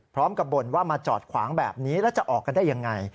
พร้อมกับบนว่ามาจอดขวางแบบนี้แล้วจะออกมาได้อย่างไร